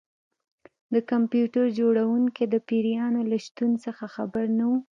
د کمپیوټر جوړونکی د پیریان له شتون څخه خبر نه و